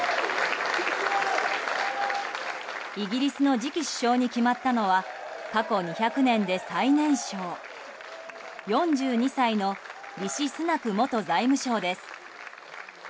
イギリスの次期首相に決まったのは過去２００年で最年少４２歳のリシ・スナク元財務相です。